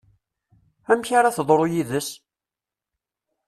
Amek ara teḍru yid-s?